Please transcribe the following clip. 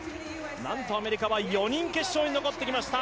なんとアメリカは４人決勝に残ってきました。